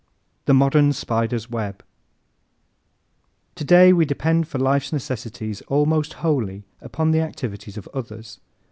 The Modern Spider's Web ¶ Today we depend for life's necessities almost wholly upon the activities of others.